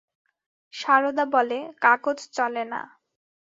সারদা বলে, কাগজ চলে না।